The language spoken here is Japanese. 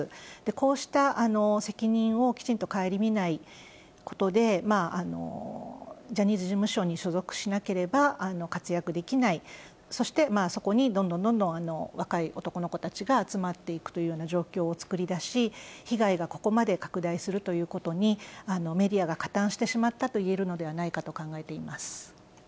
こうした責任をきちんと顧みないことで、ジャニーズ事務所に所属しなければ、活躍できない、そして、そこにどんどんどんどん若い男の子たちが集まっていくというような状況を作り出し、被害がここまで拡大するということに、メディアが加担してしまったと言えるのではないかと考えています。